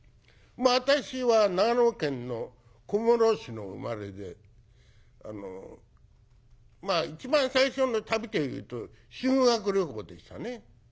私は長野県の小諸市の生まれでまあ一番最初の旅というと修学旅行でしたね。